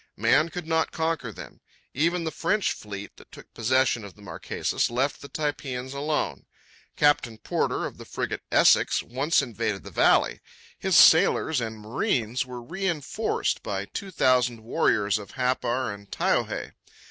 Man could not conquer them. Even the French fleet that took possession of the Marquesas left the Typeans alone. Captain Porter, of the frigate Essex, once invaded the valley. His sailors and marines were reinforced by two thousand warriors of Happar and Taiohae.